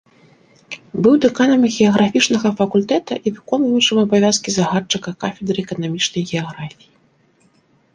Быў дэканам геаграфічнага факультэта і выконваючым абавязкі загадчыка кафедры эканамічнай геаграфіі.